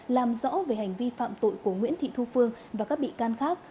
làm rõ về hành vi phạm tội của nguyễn thị thu phương và các bị can khác